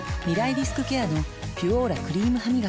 リスクケアの「ピュオーラ」クリームハミガキ